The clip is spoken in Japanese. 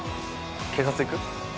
警察行く？